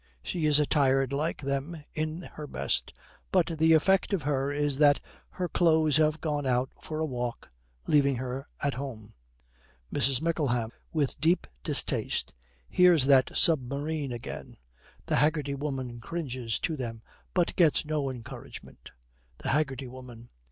She is attired, like them, in her best, but the effect of her is that her clothes have gone out for a walk, leaving her at home. MRS. MICKLEHAM, with deep distaste, 'Here's that submarine again.' The Haggerty Woman cringes to them, but gets no encouragement. THE HAGGERTY WOMAN.